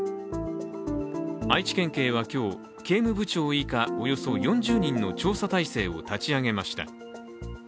愛知県警は今日、警務部長以下およそ４０人の調査体制を立ち上げました。